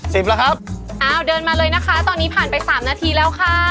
สิหมอยละครับเอาเดินมาเลยนะคะตอนนี้ผ่านไปสามนาทีแล้วค่ะ